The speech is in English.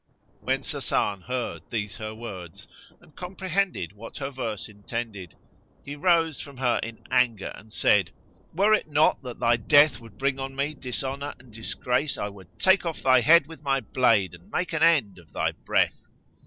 '" When Sasan heard these her words and comprehended what her verse intended, he rose from her in anger and said, "Were it not that thy death would bring on me dishonour and disgrace, I would take off thy head with my blade and make an end of thy breath."